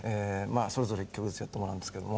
それぞれ１曲ずつやってもらうんですけども